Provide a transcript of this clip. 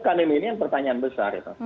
kandemi ini kan pertanyaan besar ya